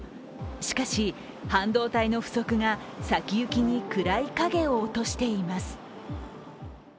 しかし半導体の不足が先行きに暗い影を落としています。